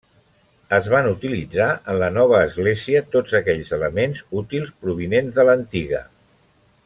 Es van utilitzar en la nova església tots aquells elements útils provinents de l’antiga.